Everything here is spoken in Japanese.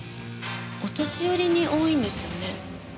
お年寄りに多いんですよね？